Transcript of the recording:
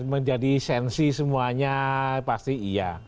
menjadi sensi semuanya pasti iya